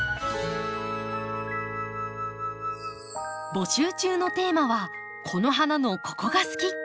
募集中のテーマは「この花のここが好き！」。